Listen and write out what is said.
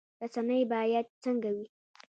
رسنۍ باید څنګه وي؟